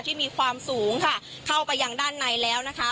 ที่มีความสูงค่ะเข้าไปยังด้านในแล้วนะคะ